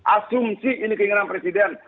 asumsi ini keinginan presiden